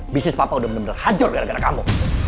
bisnis papa udah benar benar hajor gara gara kamu